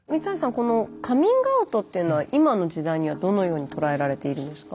このカミングアウトっていうのは今の時代にはどのように捉えられているんですか。